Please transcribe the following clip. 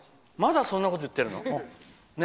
まだそんなこと言ってるの？